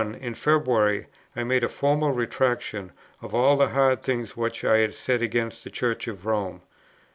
In February, I made a formal Retractation of all the hard things which I had said against the Church of Rome.